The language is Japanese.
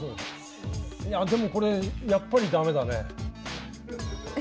いやあでもこれやっぱり駄目だね。